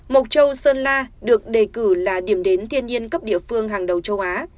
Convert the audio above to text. mộc châu sơn la được đề cử là điểm đến thiên nhiên cấp địa phương hàng đầu châu á